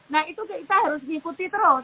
nah itu kita harus mengikuti terus